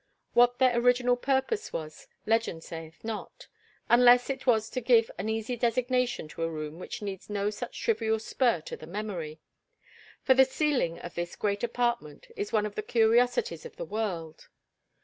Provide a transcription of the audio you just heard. What their original purpose was legend sayeth not, unless it was to give an easy designation to a room which needs no such trivial spur to the memory. For the ceiling of this great apartment is one of the curiosities of the world.